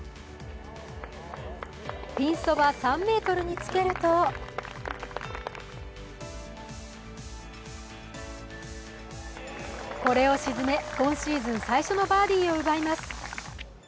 ピンそば３ｍにつけるとこれを沈め、今シーズン最初のバーディーを奪います。